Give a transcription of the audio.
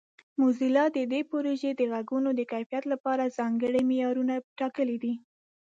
موزیلا د دې پروژې د غږونو د کیفیت لپاره ځانګړي معیارونه ټاکلي دي.